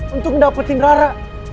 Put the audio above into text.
untuk dapetin rara